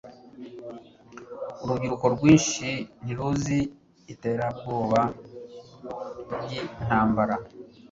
Urubyiruko rwinshi ntiruzi iterabwoba ryintambara.